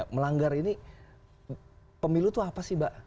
melanggar ini pemilu itu apa sih mbak